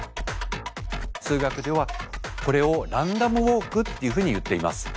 数学ではこれをランダムウォークっていうふうにいっています。